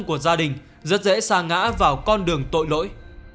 của gia đình rất dễ xa ngã vào con đường tội lỗi